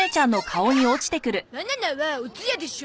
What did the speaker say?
バナナはおつやでしょ。